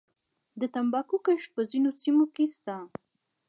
د تنباکو کښت په ځینو سیمو کې شته